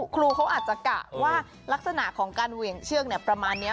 ครูเขาอาจจะกะว่าลักษณะของการเหวี่ยงเชือกประมาณนี้